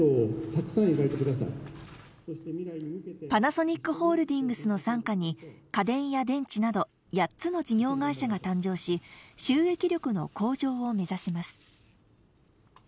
パナソニックホールディングスの傘下に家電や電池など８つの事業会社が誕生し、収益力の向上を目指します。